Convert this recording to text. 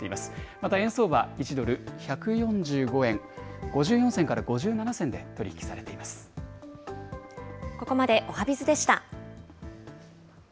また円相場、１ドル１４５円５４銭から５７銭で取り引きされていここまでおはＢｉｚでした。